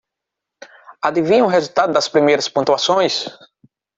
Adivinha o resultado das primeiras pontuações.